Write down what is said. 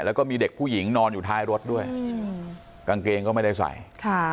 แล้วก็มีเด็กผู้หญิงนอนอยู่ท้ายรถด้วยอืมกางเกงก็ไม่ได้ใส่ค่ะ